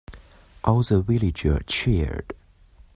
All the villagers cheered.